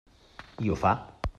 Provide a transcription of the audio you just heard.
I ho fa.